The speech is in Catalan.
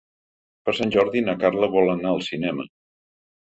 Per Sant Jordi na Carla vol anar al cinema.